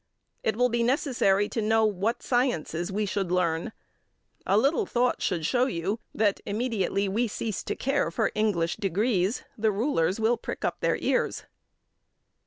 It will be necessary to know what sciences we should learn. A little thought should show you that immediately we cease to care for English degrees, the rulers will prick up their ears.